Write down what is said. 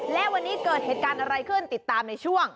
และวันนี้เกิดเหตุการณ์อะไรขึ้นติดตามในช่วง